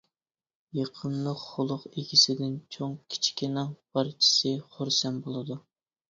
يېقىملىق خۇلق ئىگىسىدىن چوڭ-كىچىكنىڭ بارچىسى خۇرسەن بولىدۇ.